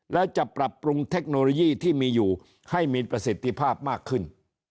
แล้วจะปรับปรุงเทคโนโลยีที่มีอยู่ให้มีประสิทธิภาพมากขึ้น